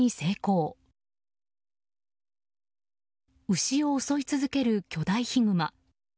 牛を襲い続ける巨大ヒグマ。